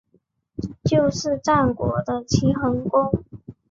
就是战国的齐桓公。